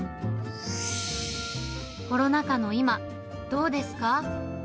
コロナ禍の今、どうですか？